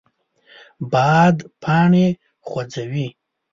باد پاڼې خوځوي